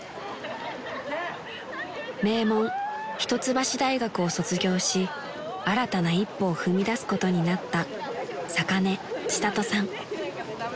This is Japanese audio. ［名門一橋大学を卒業し新たな一歩を踏み出すことになった］